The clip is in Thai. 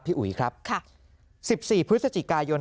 ๑๔พฤศจิกายน